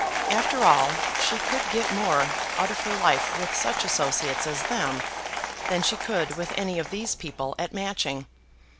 After all, she could get more out of her life with such associates as them, than she could with any of these people at Matching.